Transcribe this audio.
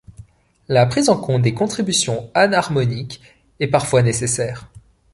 La prise en compte des contributions anharmoniques est parfois nécessaire.